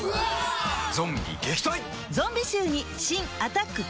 ゾンビ撃退！